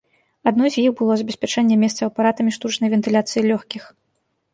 Адной з іх было забеспячэнне месцаў апаратамі штучнай вентыляцыі лёгкіх.